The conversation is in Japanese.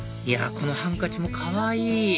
このハンカチもかわいい！